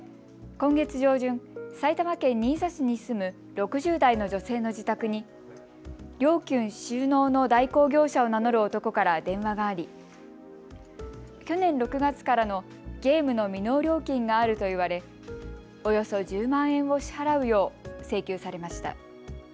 今月上旬、埼玉県新座市に住む６０代の女性の自宅に料金収納の代行業者を名乗る男から電話があり、去年６月からのゲームの未納料金があると言われおよそ１０万円を支払うよう請求されました。